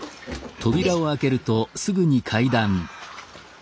あ。